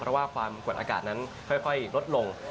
เพราะว่าความกดอากาศนั้นค่อยลดลง